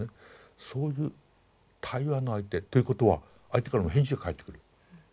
そういう対話の相手。ということは相手からの返事が返ってくる。